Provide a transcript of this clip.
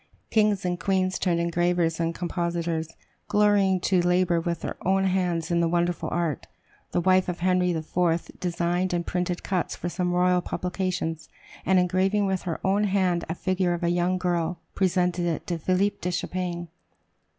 Kings and queens turned engravers and compositors, glorying to labor with their own hands in the wonderful art. The wife of Henry IV. designed and printed cuts for some royal publications, and engraving with her own hand a figure of a young girl, presented it to "Philip de Champagne."